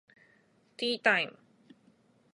ティータイム